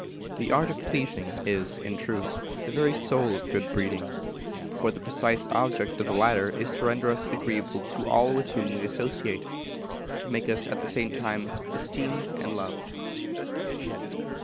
The art of pleasing is, in truth, the very soul of good breeding; for the precise object of the latter is to render us agreeable to all with whom we associate to make us, at the same time, esteemed and loved.